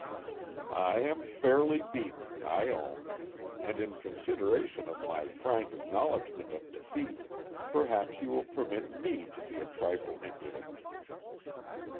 "I am fairly beaten, I own; and in consideration of my frank acknowledgment of defeat, perhaps you will permit me to be a trifle impudent."